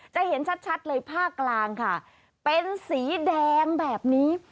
จะเห็นชัดเลยภาคกลางค่ะเป็นสีแดงแบบนี้